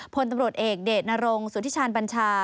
พลตำรวจเอกเดชนรงสุธิชาญบัญชา